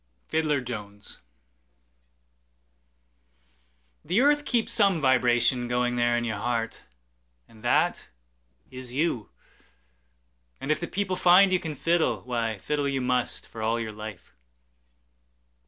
Fiddler Jones THE EARTH keeps some vibration goingThere in your heart, and that is you. And if the people find you can fiddle, Why, fiddle you must, for all your life.